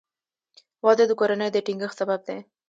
• واده د کورنۍ د ټینګښت سبب دی.